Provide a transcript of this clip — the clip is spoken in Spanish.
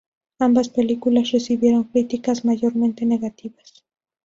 Ambas películas recibieron críticas mayormente negativas.